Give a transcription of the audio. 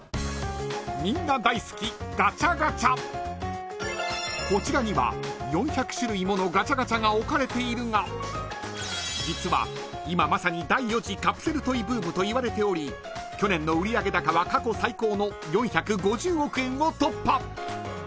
［みんな大好きガチャガチャ］［ものガチャガチャが置かれているが実は今まさに第４次カプセルトイブームといわれており去年の売上高は過去最高の４５０億円を突破］